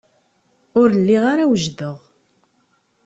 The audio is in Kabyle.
Ur lliɣ ara wejdeɣ.